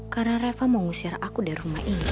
karena reva mau ngusir aku dari rumah ini